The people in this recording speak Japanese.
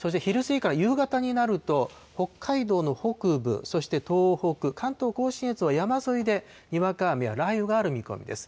そして昼過ぎから夕方になると、北海道の北部、そして東北、関東甲信越は山沿いでにわか雨や雷雨がある見込みです。